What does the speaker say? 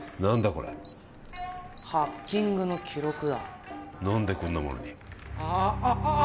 これハッキングの記録だ何でこんなものにあっあああ！